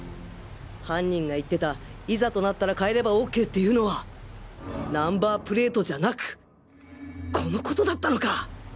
犯人が言ってた「いざとなったらかえれば ＯＫ」っていうのはナンバープレートじゃなくこの事だったのか！